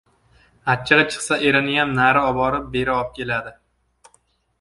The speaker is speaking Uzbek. Achchig‘i chiqsa, eriniyam nari oborib, beri opkeladi.